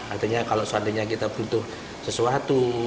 artinya kalau seandainya kita butuh sesuatu